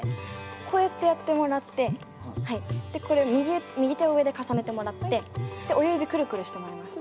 こうやってやってもらってでこれを右手を上で重ねてもらってで親指クルクルしてもらいます。